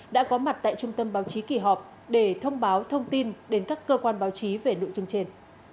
đã có mặt tại trung tâm báo chí kỳ họp để thông báo thông tin đến các cơ quan báo chí về nội dung trên